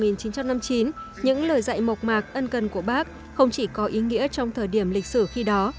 năm một nghìn chín trăm năm mươi chín những lời dạy mộc mạc ân cần của bác không chỉ có ý nghĩa trong thời điểm lịch sử khi đó